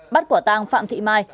bắt quả tàng phạm thị mai